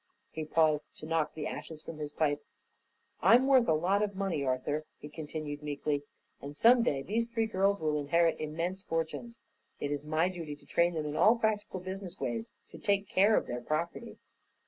He paused to knock the ashes from his pipe. "I'm worth a lot of money, Arthur," he continued, meekly, "and some day these three girls will inherit immense fortunes. It is my duty to train them in all practical business ways to take care of their property."